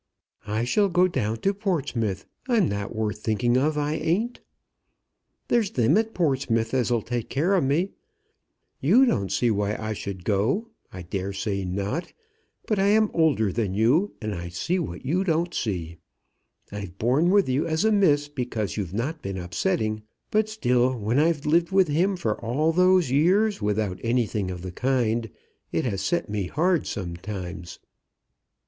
"I shall go down to Portsmouth. I'm not worth thinking of, I ain't. There's them at Portsmouth as'll take care of me. You don't see why I should go. I daresay not; but I am older than you, and I see what you don't see. I've borne with you as a miss, because you've not been upsetting; but still, when I've lived with him for all those years without anything of the kind, it has set me hard sometimes.